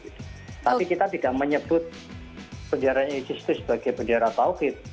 tapi kita tidak menyebut bendera isis itu sebagai bendera paukit